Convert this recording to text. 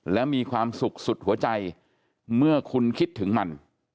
และมีความสุขสุดหัวใจเมื่อคุณคิดถึงมัน